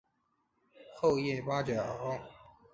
厚叶八角